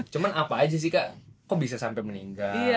cuma apa aja sih kak kok bisa sampai meninggal